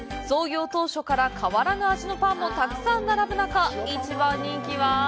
創業当初から変わらぬ味のパンもたくさん並ぶ中、一番人気は？